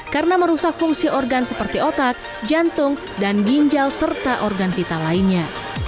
karena merusak fungsi organ seperti otak jantung dan ginjal serta organ vital lainnya